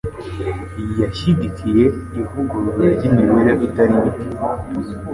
Yashyigikiye ivugurura ry’imibereho itari mike.